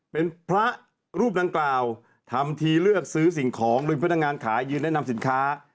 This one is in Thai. เป็นพระรูปดังกล่าวทำทีเลือกซื้อสิ่งของโดยพนักงานขายยืนแนะนำสินค้า